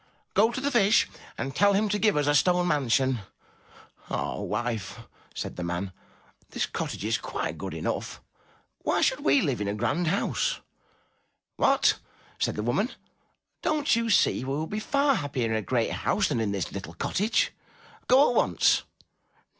Go to the Fish and tell him to give us a stone mansion. 193 MY BOOK HOUSE '*Ah, wife/* said the man, "this cottage is quite good enough. Why should we Hve in a grand house?'' *'What/' said the woman, ''don't you see we would be far happier in a great house than in this little cottage? Go at once."